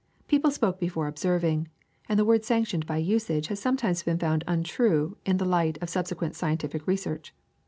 People spoke before observing, and the word sanctioned by usage has sometimes been found untrue in the light of subse quent scientific research.